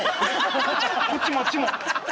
こっちもあっちも。